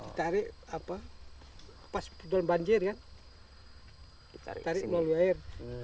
ditarik pas dalam banjir kan ditarik melalui air